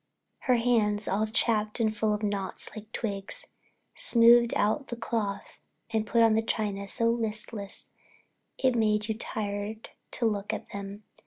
Her hands, all chapped and full of knots like twigs, smoothed out the cloth and put on the china so listless it made you tired to look at them.